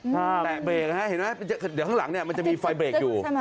แตะเบรกนะฮะเห็นไหมเดี๋ยวข้างหลังเนี่ยมันจะมีไฟเบรกอยู่